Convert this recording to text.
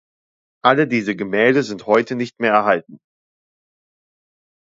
Alle diese Gemälde sind heute nicht mehr erhalten.